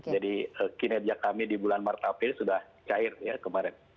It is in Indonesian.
jadi kinerja kami di bulan maret april sudah cair ya kemarin